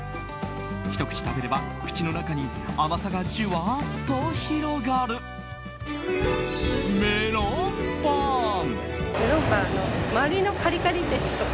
ひと口食べれば口の中に甘さがジュワッと広がるメロンパン。